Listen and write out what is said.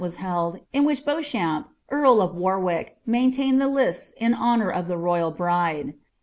1 wa* held, in which Beaiichamp, earl of Warwick, maintained the ^H li ia honour of the royal bride.